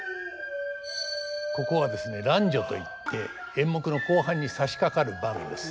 ここはですね「乱序」といって演目の後半にさしかかる場面です。